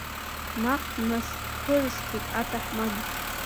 Наҟ днасԥырысцеит аҭаҳмада…